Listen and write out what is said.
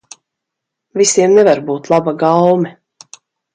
Visiem nevar būt laba gaume.